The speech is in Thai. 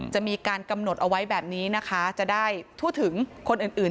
จะมีการกำหนดเอาไว้แบบนี้นะคะจะได้ทั่วถึงคนอื่น